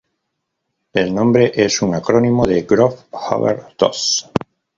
El nombre es un acrónimo de Groove Over Dose.